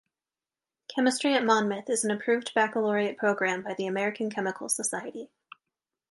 Chemistry at Monmouth is an approved baccalaureate program by the American Chemical Society.